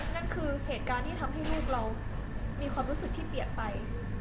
นั่นคือเหตุการณ์ที่ทำให้ลูกเรามีความรู้สึกที่เปลี่ยนไป